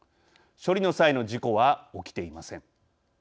処理の際の事故は起きていません。